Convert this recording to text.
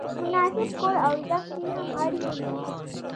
مناسب کور او زده کړې هم اړینې دي.